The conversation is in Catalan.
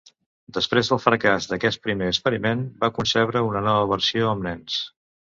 Després del fracàs d'aquest primer experiment, va concebre una nova versió amb nens.